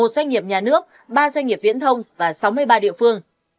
một doanh nghiệp nhà nước ba doanh nghiệp viễn thông và sáu mươi ba địa phương